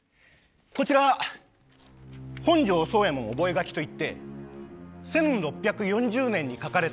こちら「本城惣右衛門覚書」といって１６４０年に書かれた本のコピーです。